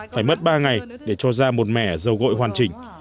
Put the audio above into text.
phải mất ba ngày để cho ra một mẻ dầu gội hoàn chỉnh